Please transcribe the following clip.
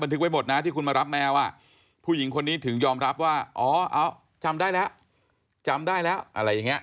ทึกไว้หมดนะที่คุณมารับแมวผู้หญิงคนนี้ถึงยอมรับว่าอ๋อเอาจำได้แล้วจำได้แล้วอะไรอย่างนี้